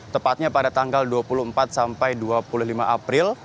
tepatnya pada tanggal dua puluh empat sampai dua puluh lima april